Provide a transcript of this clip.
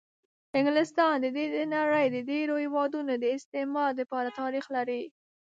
انګلستان د د نړۍ د ډېرو هېوادونو د استعمار دپاره تاریخ لري.